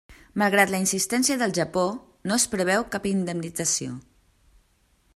Malgrat la insistència del Japó, no es preveu cap indemnització.